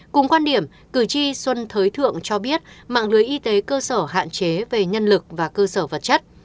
cùng quan điểm cử tri xuân thới thượng cho biết mạng lưới y tế cơ sở hạn chế về nhân lực và cơ sở vật chất